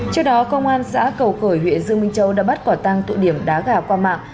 trước đó công an xã cầu khởi huyện dương minh châu đã bắt quả tăng tụ điểm đá gà qua mạng